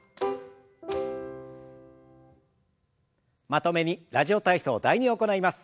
まとめに「ラジオ体操第２」を行います。